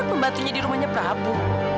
itu kan pembantunya di rumahnya prabu